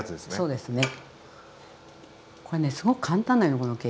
そうですね。